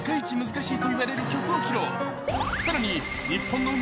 さらにを